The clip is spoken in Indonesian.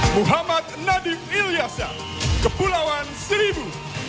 muhammad nadib ilyasa kepulauan seribu